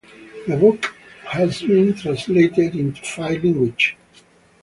The book has been translated into five languages.